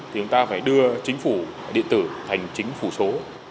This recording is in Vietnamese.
thì chúng ta phải đưa chính phủ điện tử thành chính phủ số